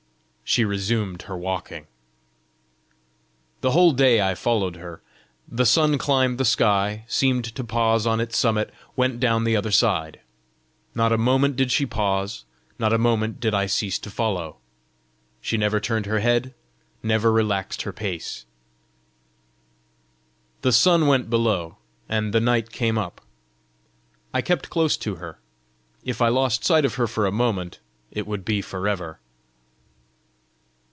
She resumed her walking. The whole day I followed her. The sun climbed the sky, seemed to pause on its summit, went down the other side. Not a moment did she pause, not a moment did I cease to follow. She never turned her head, never relaxed her pace. The sun went below, and the night came up. I kept close to her: if I lost sight of her for a moment, it would be for ever!